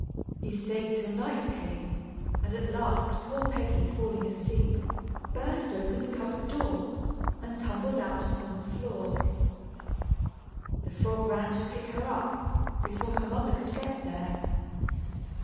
He stayed till night came; and at last poor Peggy, falling asleep, burst open the cupboard door, and tumbled out upon the floor. The frog ran to pick her up, before her mother could get there.